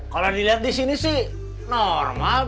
kalo diliat disini sih normal dong